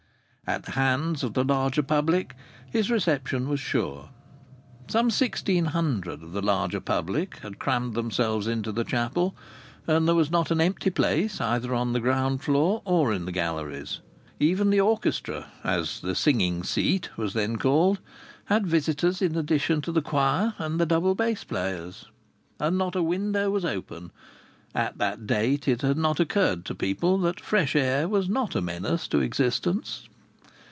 At the hands of the larger public his reception was sure. Some sixteen hundred of the larger public had crammed themselves into the chapel, and there was not an empty place either on the ground floor or in the galleries. Even the "orchestra" (as the "singing seat" was then called) had visitors in addition to the choir and the double bass players. And not a window was open. At that date it had not occurred to people that fresh air was not a menace to existence.